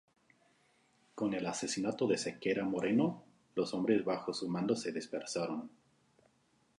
Con el asesinato de Sequeira Moreno, los hombres bajo su mando se dispersaron.